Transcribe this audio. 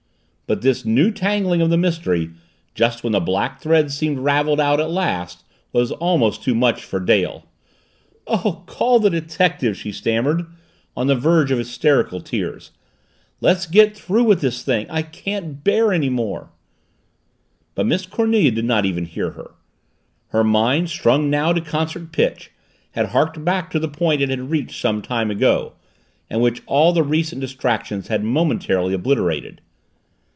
But this new tangling of the mystery, just when the black threads seemed raveled out at last, was almost too much for Dale. "Oh, call the detective!" she stammered, on the verge of hysterical tears. "Let's get through with this thing! I can't bear any more!" But Miss Cornelia did not even hear her. Her mind, strung now to concert pitch, had harked back to the point it had reached some time ago, and which all the recent distractions had momentarily obliterated.